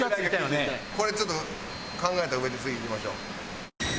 これちょっと考えたうえで次いきましょう。